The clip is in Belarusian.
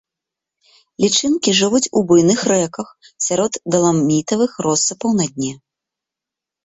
Лічынкі жывуць у буйных рэках, сярод даламітавых россыпаў на дне.